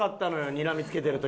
にらみつけてる時。